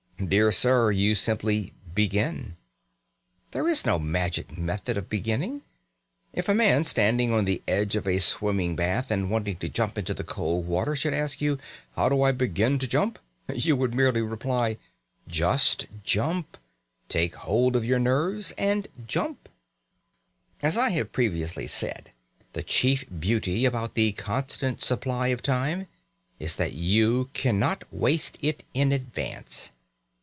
Dear sir, you simply begin. There is no magic method of beginning. If a man standing on the edge of a swimming bath and wanting to jump into the cold water should ask you, "How do I begin to jump?" you would merely reply, "Just jump. Take hold of your nerves, and jump." As I have previously said, the chief beauty about the constant supply of time is that you cannot waste it in advance.